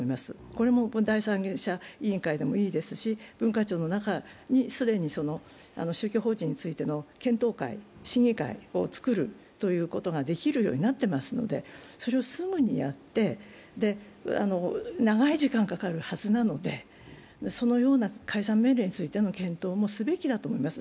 これも第三者委員会でもいいですし、文化庁の中に既に宗教法人についての検討会、審議会を作ることができるようになっていますのでそれをすぐにやって、長い時間かかるはずなので、そのような解散命令についての検討もすべきだと思います。